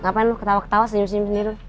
ngapain lu ketawa ketawa senyum senyum sendiri